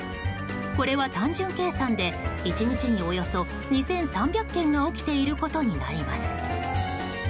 これは単純計算で１日におよそ２３００件が起きていることになります。